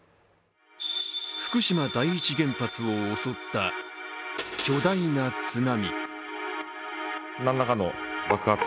福島第一原発を襲った巨大な津波。